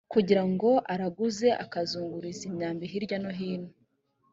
kugira ngo araguze akazunguriza imyambi hirya no hino